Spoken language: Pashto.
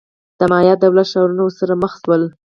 د مایا دولت-ښارونه ورسره مخ شول.